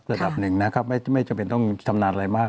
ระดับหนึ่งนะครับไม่จำเป็นต้องชำนาญอะไรมาก